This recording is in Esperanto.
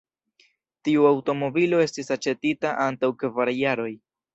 Tiu aŭtomobilo estis aĉetita antaŭ kvar jaroj.